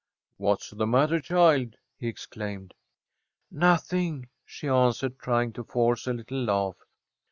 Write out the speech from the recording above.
"What's the matter, child?" he exclaimed. "Nothing," she answered, trying to force a little laugh.